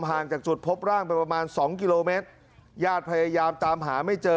ห่างจากจุดพบร่างไปประมาณสองกิโลเมตรญาติพยายามตามหาไม่เจอ